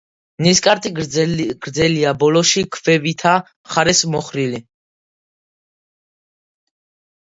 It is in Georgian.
ნისკარტი გრძელია, ბოლოში ქვევითა მხარეს მოხრილი.